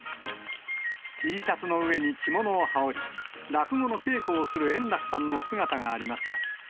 Ｔシャツの上に着物を羽織り、落語の稽古をする円楽さんの姿がありました。